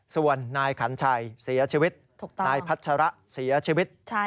ส่วนนายขัญชัยเสียชีวิตนายพัชระเสียชีวิต